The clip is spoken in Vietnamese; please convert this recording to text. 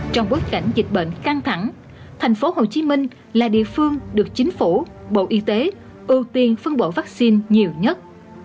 trong bối cảnh dịch bệnh căng thẳng thành phố hồ chí minh là địa phương được chính phủ bộ y tế ưu tiên phân bổ vaccine nhiều nhất